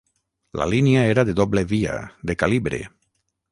La línia era de doble via, de calibre.